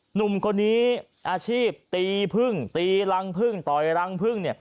หนุ่มคนนี้อาชีพตีพึ่งตีรังพึ่งต่อยรังพึ่ง